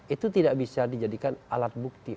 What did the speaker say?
itu tidak bisa dijadikan alat bukti